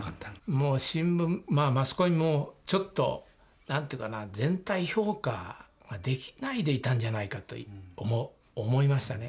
もう新聞マスコミもちょっとなんていうかな全体評価ができないでいたんじゃないかと思いましたね。